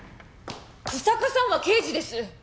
草加さんは刑事です！